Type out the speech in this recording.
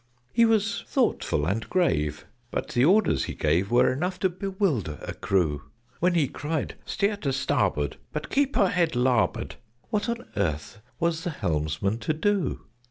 He was thoughtful and grave but the orders he gave Were enough to bewilder a crew. When he cried "Steer to starboard, but keep her head larboard!" What on earth was the helmsman to do?